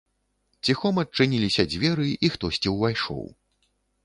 Ціхом адчыніліся дзверы і хтосьці ўвайшоў.